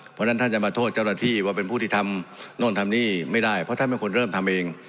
เพราะฉะนั้นท่านจะมาโทษเจ้าหน้าที่ว่าเป็นผู้ที่ทำโน่นทำนี่ไม่ได้เพราะท่านเป็นคนเริ่มทำเอง